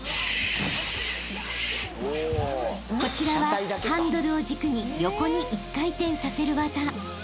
［こちらはハンドルを軸に横に１回転させる技］